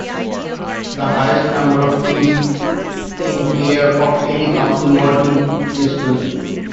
The highest number of kids in care of any council ward in Bristol.